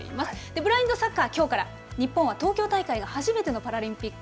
ブラインドサッカー、きょうから日本は東京大会が初めてのパラリンピック。